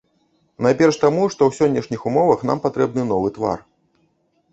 Найперш таму, што ў сённяшніх умовах нам патрэбны новы твар.